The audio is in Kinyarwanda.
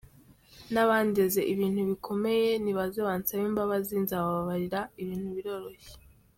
N’Abandeze ibintu bikomeye ni baze bansabe imbabazi nzabababarira, ibintu biroroshye.